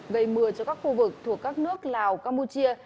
gây mưa cho các khu vực thuộc các nước lào campuchia